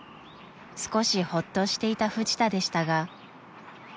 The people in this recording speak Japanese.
［少しほっとしていたフジタでしたが］